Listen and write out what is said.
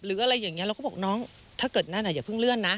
หรืออะไรอย่างนี้เราก็บอกน้องถ้าเกิดนั่นอย่าเพิ่งเลื่อนนะ